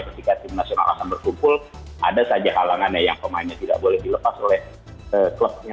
ketika tim nasional akan berkumpul ada saja halangannya yang pemainnya tidak boleh dilepas oleh klubnya